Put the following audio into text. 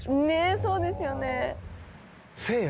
ねっそうですよね。